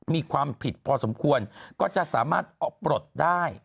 มีความผิดพอสมควรก็จะสามารถเอาปลดได้